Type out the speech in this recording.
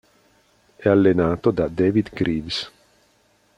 È allenato da David Greaves.